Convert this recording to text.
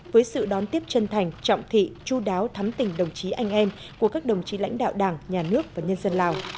với sự đón tiếp chân thành trọng thị chú đáo thắm tình đồng chí anh em của các đồng chí lãnh đạo đảng nhà nước và nhân dân lào